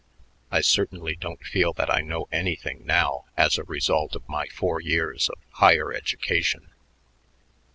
I certainly don't feel that I know anything now as a result of my four years of 'higher education.'"